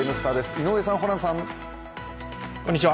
井上さん、ホランさん。